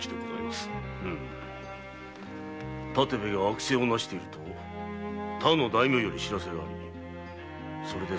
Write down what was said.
建部が悪政をなしていると他の大名より報せがあってな。